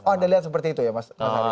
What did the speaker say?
anda lihat seperti itu ya mas ari